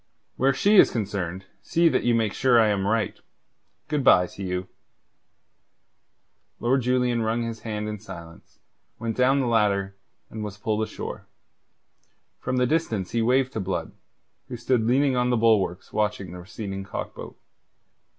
"Where she is concerned see that you make sure that I am right. Good bye to you." Lord Julian wrung his hand in silence, went down the ladder, and was pulled ashore. From the distance he waved to Blood, who stood leaning on the bulwarks watching the receding cock boat.